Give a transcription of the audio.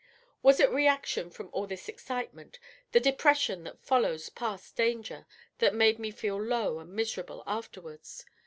Was it reaction from all this excitement the depression that follows past danger that made me feel low and miserable afterwards?